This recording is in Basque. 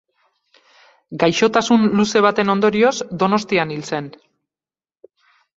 Gaixotasun luze baten ondorioz Donostian hil zen.